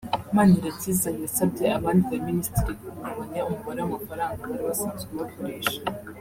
Manirakiza yasabye abandi ba Minisitiri kugabanya umubare w’amafaranga bari basanzwe bakoresha